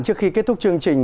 trước khi kết thúc chương trình